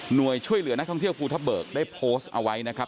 โดยช่วยเหลือนักท่องเที่ยวภูทะเบิกได้โพสต์เอาไว้นะครับ